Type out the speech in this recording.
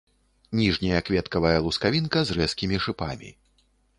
Ніжняя кветкавая лускавінка з рэзкімі шыпамі.